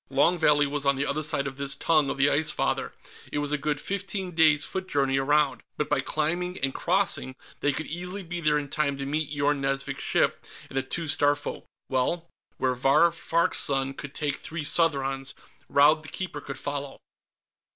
Long Valley was on the other side of this tongue of the Ice Father; it was a good fifteen days' foot journey around, but by climbing and crossing, they could easily be there in time to meet Yorn Nazvik's ship and the two Starfolk. Well, where Vahr Farg's son could take three Southrons, Raud the Keeper could follow.